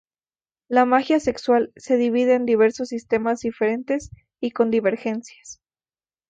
La magia sexual se divide en diversos sistemas diferentes y con divergencias.